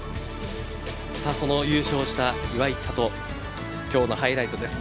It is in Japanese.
その優勝した岩井千怜今日のハイライトです。